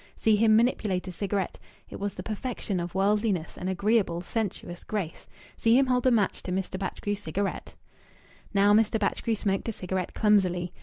See him manipulate a cigarette it was the perfection of worldliness and agreeable, sensuous grace! See him hold a match to Mr. Batchgrew's cigarette! Now Mr. Batchgrew smoked a cigarette clumsily.